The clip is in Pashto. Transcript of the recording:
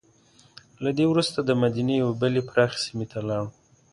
له دې وروسته دمدینې یوې بلې پراخې سیمې ته لاړو.